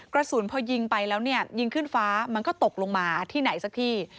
กระสุนพอยิงไปแล้วเนี่ยยิงขึ้นฟ้ามันก็ตกลงมาที่ไหนสักที่